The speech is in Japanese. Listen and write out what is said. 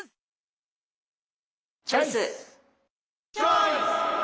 チョイス！